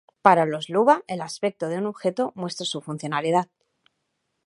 Para los luba, el aspecto de un objeto muestra su funcionalidad.